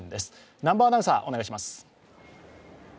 南波アナウンサー、お願いします。